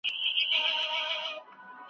د خلکو باور ترلاسه کول اسانه کار نه دی.